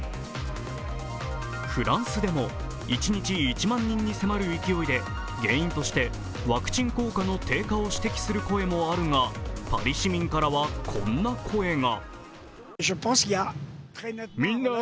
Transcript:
フランスでも一日１万人に迫る勢いで、原因として、ワクチン効果の低下を指摘する声もあるがパリ市民からは、こんな声が。